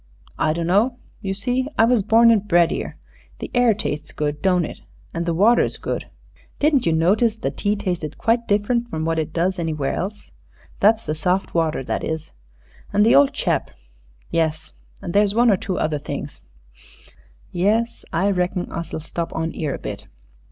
"I dunno. You see, I was born and bred 'ere. The air tastes good, don't it? An' the water's good. Didn't you notice the tea tasted quite different from what it does anywhere else? That's the soft water, that is. An' the old chap.... Yes and there's one or two other things yes I reckon us'll stop on 'ere a bit."